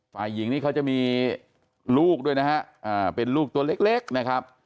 ฝ่ายหญิงนี่เขาจะมีลูกด้วยนะฮะเป็นลูกตัวเล็กนะครับ